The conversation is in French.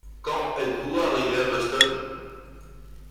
Quand êtes-vous arrivé à Boston ?